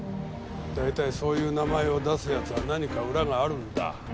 大体そういう名前を出す奴は何か裏があるんだ。